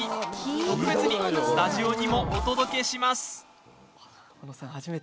特別にスタジオにもお届けします。